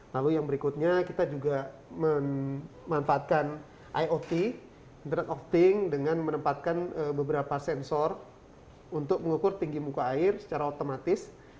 lalu yang berikutnya kita juga memanfaatkan iot internet of thing dengan menempatkan beberapa sensor untuk mengukur tinggi muka air secara otomatis